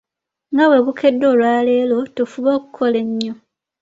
Nga bwe bukedde olwaleero, tufube okukola ennyo.